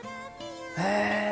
へえ！